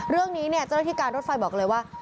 เรื่องนี้เนี่ยเจ้าหน้าที่การรถไฟบอกเลยว่า